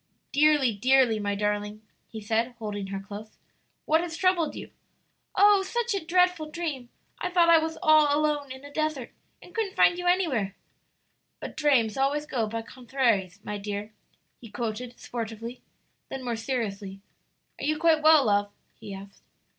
"Dearly, dearly, my darling," he said, holding her close. "What has troubled you?" "Oh, such a dreadful dream! I thought I was all alone in a desert and couldn't find you anywhere." "But 'drames always go by conthraries, my dear,'" he quoted sportively. Then more seriously, "Are you quite well, love?" he asked.